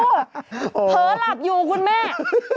เผลอหลับอยู่คุณแม่